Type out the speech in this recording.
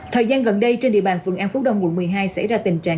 thời gian gần đây trên địa bàn phường an phú đông quận một mươi hai xảy ra tình trạng